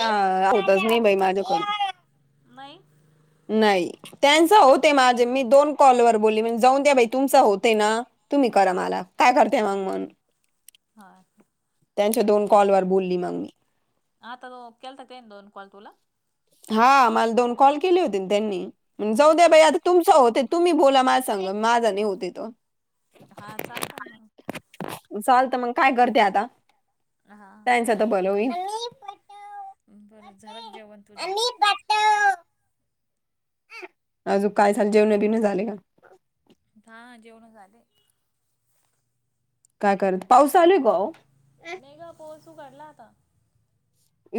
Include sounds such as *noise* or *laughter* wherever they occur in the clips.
हा होतच च नाही बाई माझ्याकडून. नाही नाही. त्यांच हा होते माझे मी दोन कॉलवरर बोलली म्हणजे जाऊन द्या भाई तुमच होते ना, तुम्ही हा करा मला काय करतेय हा मग मण. हा त्यांच्या दोन कॉलवर बोलली मग मी, आत तो केलता का दोन कॉल तुला? हा मला दोन कॉल केले होती हा त्यांनी जाऊ द्या का बा आता तुमचं होते तुम्ही बोला माय सांगलं माझा नाही होते तो हा चालत ना मग. चालत मग काय करते आता हा त्यांच तर भल होईल. बरं झालं का जेवण तुझ? अजून काय झाल जेवण- बिवन झाले का? हा जेवण झाले. काय कररायत. पाऊस चालूय का हो? नाही ग पाऊस उघडला आता.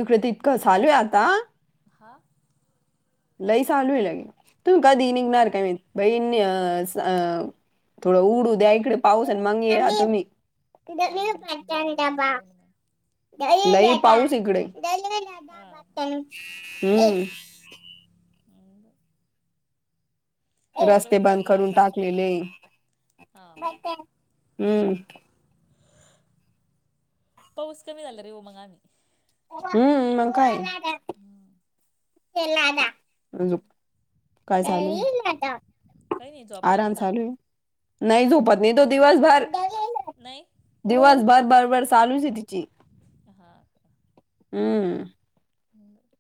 इकडें तर इतकं चालू आहे आता- हा. लई चालूय लागे तू कधी निघणार काय *unintelligible* बही थोडं उडू द्या इकडे पाऊस आणि मग तुम्ही *unintelligible* त बरं बरं काबा येऊन मग *unintelligible* लय पाऊस ये इकडे, हा हम्म. आणिड *unintelligible* रस्ते बंद उघडला करून आता टाकलेले, हा *unintelligible* हम्म. पौस कमी नल रे मंगामी *unintelligible* हम्म, मग काय. हम्. य *unintelligible* काही नाही झोपला आराम नाही का चालू आहे, नाही झोपत नाही तो दिवसभर. नाही दिवसभर बडबड चालूचये तिची, हा हम्म.. ह *unintelligible*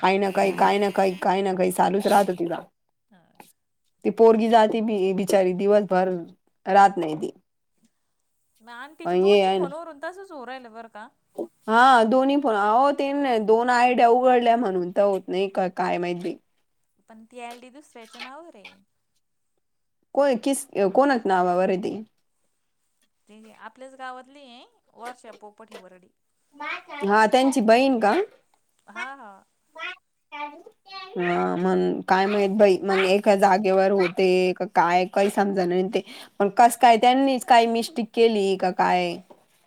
काही ना काही, काय ना काही, काही ना काही, चालूच राहतं तिला. ह *unintelligible* ती पोरगी जाते, बी बिचारी दिवसभर राहत नाही ती. ना आणि तीच पण हे दोनही आहे ना फोनवरून तसंच हो राहिल बरं का? हा, दोन्ही फोन अहो, ते नाही दोन आयड्या उघडल्या म्हणून, तर होत नाही का काय माहिती. पण, ती आय डी दुसऱ्याच्या नावावर आहे. *unintelligible* कोणाच्या नावावर आहे ती? ते, आपल्याच गावातली आहे, वर्षा पोपट ही वरडी. हा, त्यांची बहीण का? हा, हा. अ.. मण काय मात भाई म्हण एका जागेवर होते, काय काही समजाण ते. पण, कस काय त्यांनी काही मिस्टेक केली का काय?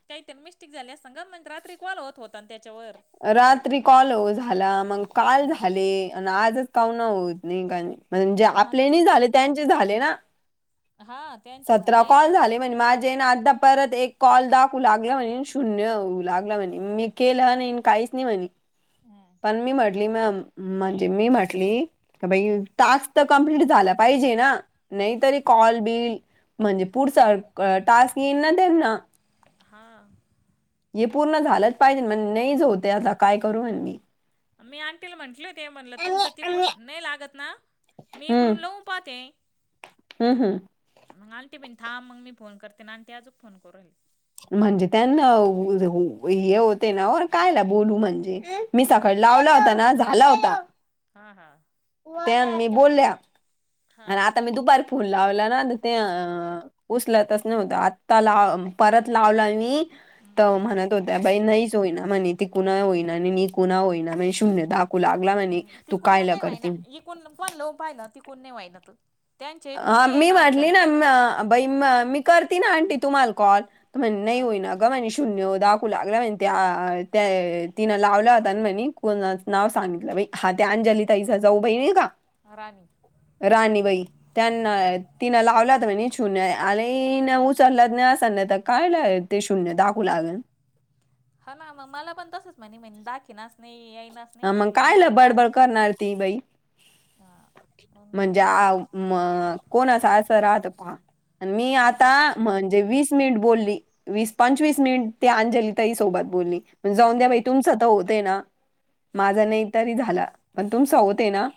काही तर मिस्टेक झाली असल ग, म्हण रात्री कल होत होत- तात त्यांच्यावर. रात्री कॉल हो झाला, मग काल झाले. आणि आजच काऊ न होत नाही का, म्हणजे आपले आजच नि झाले त्यांचे झाले ना. हा. त्यांचे सतरा झाले कॉल झाले म्हणजे, माझे ना आता- परत एक कॉल दाखवू लागला म्हणे, शून्य होऊ लागलं म्हणे, मी केलं नाही काहीच नाही म्हणे. ह *unintelligible* पण मी म्हटली ना, म म्हणजे मी म्हटली की बाई हम्म टास्क- च तर कंप्लीट झाला पाहिजे ना, नाहीतरी हम्म. कॉल बिल- म्हणजे, पुढचा टास्क येईल ना त्यांना. हा. हे पूर्ण झालंच पाहिजे म्हण, नाहीच होते आता काय करू म्हण मी. मी आणंटीला म्हंटली होते, म्हणलं तुमचं तिकून नाही लागत ना? मी इकडून लावून पाहते. हम् हम्. मग आंटी पण थांब मग मी फोन करते, आंटी आजुन फोन करू राहिले. म्हणजे, त्यांना हे होते ना कायला बोलू म्हणजे- मी सकाळी लावला होता ना, झाला होता. हा हा. तेव्हा मी बोलल्या, हा आणि आता मी दुपार फोन लावलं ना त्या उचलतच नव्हतं, आत्ता लाव परत लावलं मी हम्म. तवा म्हणत होत्या बाई नाहीच होईना म्हणे, ती कुणा होईना, आणि मी कुणा होईना म्ह *unintelligible* तू लागला नाही, तू कायला करते कोण *unintelligible* *inaudible* हा, मी म्हटली ना, ह बाई मी करते ना आंटी तुम्हाला कॉल तर म्हणे नाही हा होईना म्हणे शून्य दाखवू लागला म्हणे, त्या त्या तिन लावल्या होता म्हणे. कोणाचं नाव सांगितलं बाई, हा त्या अंजली ताईचा जाऊ बाई नाही का हा राणी राणी बाई त्यांना तिनं लावलात म्हणे, *unintelligible* *inaudible* ते शून्य दाखवू लागेल हा ना, मग मला पण तसंच म्हणे म्ह दाखेनाच नाही येईनाच नाही, अन् मग म्हटलं मी कायला लवून पाहते. *unintelligible* ती बई हा. मग मग म्हणजे मी आ म कोणचा *unintelligible* असा असं राहत पहा, मी हा ना आता म्हणजे वीस मिनिट बोलली, वीस पंचवीस मिनिट ते अंजलिताई सोबत बोलली. पण जाऊन द्या बाई, तुमच तर होतय ना, माझा हा नाही तरी झाला, पण तुमचा होते ना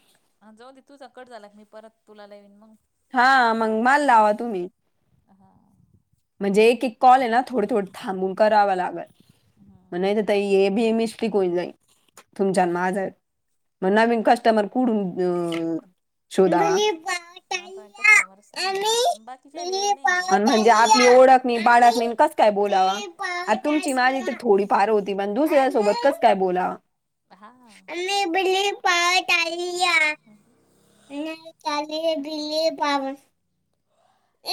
ह जाऊदे तुझ कट झाला मी परत तुला लाविन मग हा, मग मला हा लावा तुम्ही. हा. म्हणजे एक एक कॉल आहे ना, थोडे थोडे थांबून करावा हम्म लागल हे बी मिस्टिक होईल जाई, तुमच्या माझ हम्म मग नवीन कस्टमर कुडून शोधावा आता कस्टमर्स नाही नवीन, बाकीच्या आलेले नाही ते आणि म्हणजे आपली ओळख नाही, बाळक नाही, कस काय बोलावा, तुमची माझी तर थोडी फार होती पण दुसऱ्यासोबत कस काय बोलाव हा. *unintelligible* *inaudible* *unintelligible* *inaudible*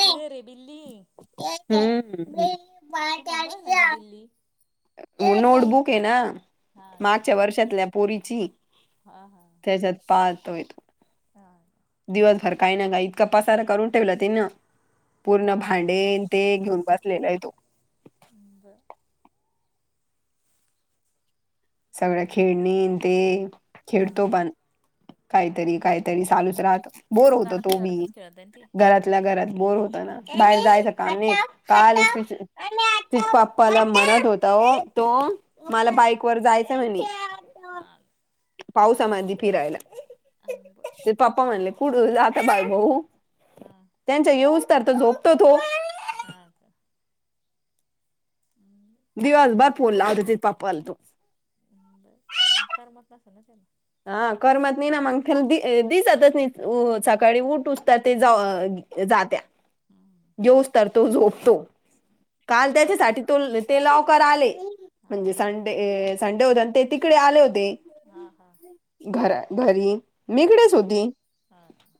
किदर है बिल्ली? *unintelligible* तू म्हणू राहिला ना *inaudible* बिल्ली नोटबुक ये ना, हा का मागच्या वर्षातल्या पोरीची हा हा. त्याच्यात पात *unintelligible* हा. दिवसभर काय ना काय, इतका पसारा करून ठेवला तिन पूर्ण हा हा भांडे ते घेऊन बसलेला आहे तो. *unintelligible* *inaudible* सगळ्या खेळणीन ते, खेळतो हा पण काहीतरी काहीतरी चालुच राहत, बोर मग होतो तो घरातल्या बी, घरातच खेळत आहे ना ती घरात आपल्या घरात बोर होत ना, बाहेर जायचं काम नाही काल हा ती पा्पाला म्हणत होता तो मला बायक वर जायचं नाही. हां. पावसामध्ये फिरायला. अंब ते पप्पा म्हणले कुडू जातता बाय भाऊ हम्म. त्यांचा येऊज तर तो, झोपतो तो. हा का. हम्म. दिवसभर फोन लावत होती पप्पा ला तो करमत नसंन ना त्याला हा करमत नाही ना मग त्याला दि दिसतच नाही अ सकाळी उठोस तर ते जा जात्या हम्म घेऊस तरतो झोपतो. काल आणि मग त्याच्यासाठी तो ते लवकर आले हा म्हणजे हा संडे संडे होते आणि ते तिकडे आले होते. हा हा. घरा घरी मी हा ईकडेच होती. हा का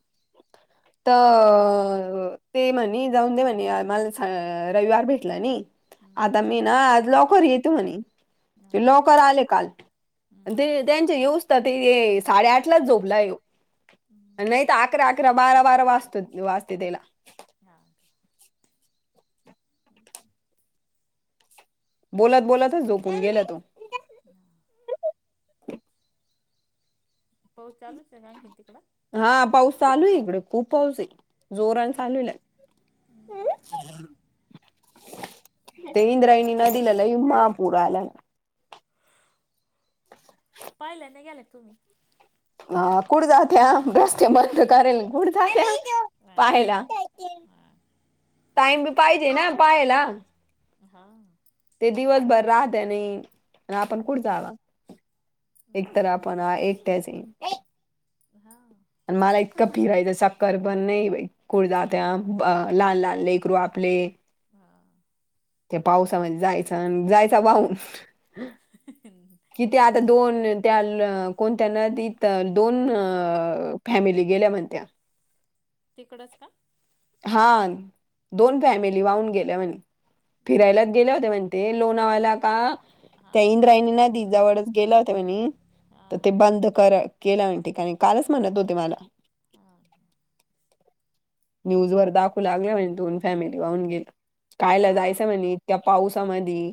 तर ते म्हणे जाऊन दे म्हणे मला रविवार भेटला नाही. हम्म आता मी ना आज लवकर येतो म्हणे. हा ते लवकर आले काल हम्म ते त्यांचे यऊस्त ते साडेआठलाच झोपला ये हयो बर नाही तर अकरा अकरा बारा बारा वाजतो वाजते त्याला हां का. हो का. बोलत बोलतच झोपून गेला तो. हा. पाऊस चालूच हाय आनखीन तिकड हा पाऊस चालू आहे इकडे खूप पाऊस आहे हा जोरन चालू ला- हम्. ते घरात असल्यावर इंद्रायणी कुठं नदीला लई महापूर आलाय. पहिल्यांदा गेलाय तुम्ही? हा कुड जात्या बस्ते म करेल कुड जात्या. हां का पाहायला हां टाईम बी पाहिजे ना पाहायला. हा. ते दिवसभर राहत्या आणि का आपण कुठे जावा. एक तर हम्म, आपण एकट्याच आहे. हा. आणि मला इतकं फिरायचं सक्कर पण नाही कुठ हां जातया. अ लहान लहान लेकरू आपले- हा. ते पावसामध्ये जायचं आणि जायच वाहून. ह. किती आता दोन - त्या कोणत्या नदीत दोन फॅमिली गेल्या म्हणत्या. *inaudible* तिकडंच काय? हा, दोन हां फॅमिली वाहून गेल्या म्हणी, फिरायलाच मग ते गेल्या होत्या म्हणी. ते, लोणावळ्याला आता, हां त्या हां इंद्रायणी न दीजवळ गेला होता म्हणी, त ते हां बंध कराय. केला म्हणते काय, कालच म्हणत होते माला. हां. न्यूज वर दाखवू लागले म्हणे दोन फॅमिली वाहून गेल्या. कायाला हां जायचं म्हणे, इतक्या पाऊसामदी,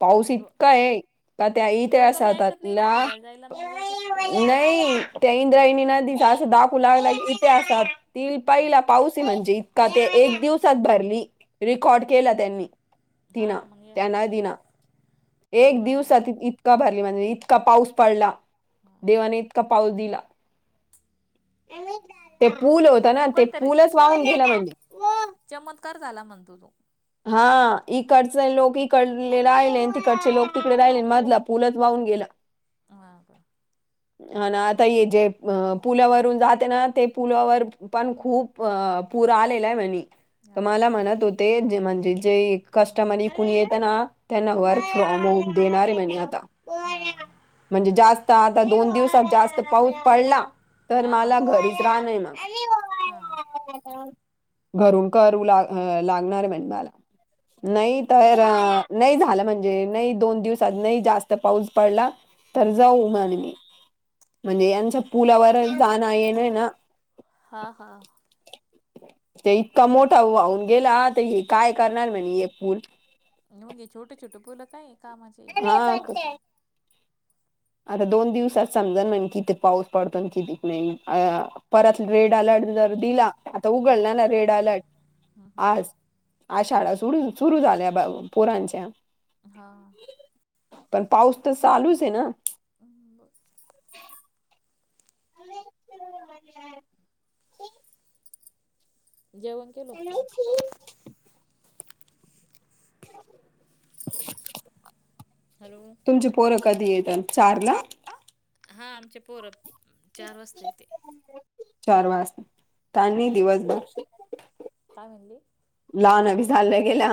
पाऊस मग लो इतका आहे. का त्या इती लोक बी ऐकत नाही ना आसातातला. फिरायला जायला मग जाते पाहून नई त्या इंद्रायणी नदीच्या आसं दाखू लागल इतीआसात ती पहिला पाऊस आहे म्हणजे, इतका ते एक दिवसात भरली रेकॉर्ड केला त्यांनी. तीनं हां मग त्या एका नदिनं दिवसातच पूर एक दिवस आला ना इतका भरली म्हने इतका पाऊस पडला. हां देवाने इतका पाऊस दिला. ते पूल होता ना, तो ते काहीतरी पूलच वाहून गेला म्हणे. चमत्कार झाला म्हणतो तो. हा इकडचे लोक इकडले राहिले, तिकडचे लोक तिकडे राहिले, मधला पुलच वाहून गेला. *inaudible* हां का? हा ना आता ये जे अ पुलावरून जाते ना ते पुलावर पण खूप पूर आलेला आहे म्हणे हां त-मला म्हणत होतेेजे म्हणजे जे हां कस्टमने कुणी येतं ना त्यांना वर्क फ्रॉम होम देणारे म्हने आता. हां. म्हणजे जास्त आता दोन दिवसात जास्त पाऊस पडला तर हां हां माला, घरीच राहणय ना. हा घरून करू ला लागणार म्हने मला, नाही तर अ नाही झालं म्हणजे नाही दोन दिवसात नाही जास्त पाऊस पडला तर हम्म. जाऊ माझ मी म्हणजे यांच्या पुलावर जाण येणय ना. हां, हां. ते इतका मोठा वाहून गेला तर हे काय करणार म्हने हे पूल. ना म्हणजे छोटं छोटं पुल काय कामाचेये हा का आसे आता दोन दिवसात समजाल म्हणे किती पाऊस पडतो नि कितीक नाही आ परत रेड अलर्ट जर दिला आता उघड ला ना रेड अलर्ट हम्म, आज. हम्म. आज शाळा सुरू सुरू झाल्या बा पोरांच्या. हा. पण पाऊस त चालूच आहे ना. हब *inaudible* *inaudible* *inaudible* जेवण केलं *unintelligible* आता हॅलो तुमची पोरं कधी येतान चार ला? आ, हां, आमचे पोरं चार वाजता येते. चार वास कानी दिवस का म्हनली? लहान अभी झालं गेल्या.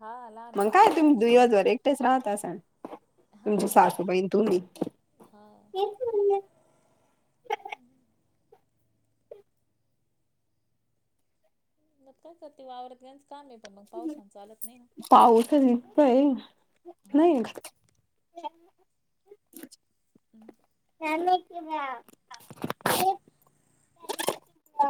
हा लहान मंग आहे ते काय तुम्ही सारसोब दिवसभर एकटेच राहात असाल? हा तुमच्या सासूबाई नि तुम्ही. हा मग काय करते वावरात यांचं काम आहे. पण मग पावसान चालत नाही ना. पाऊस निघता ना येईना *unintelligible* *inaudible* हम्. *unintelligible* *unintelligible*